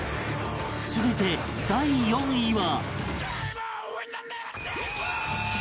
続いて第４位は